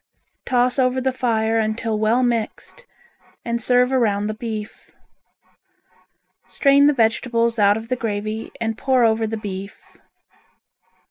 Toss over the fire until well mixed and serve around the beef. Strain the vegetables out of the gravy and pour over the beef.